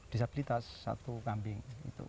disabilitas satu kambing